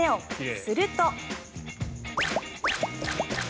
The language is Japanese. すると。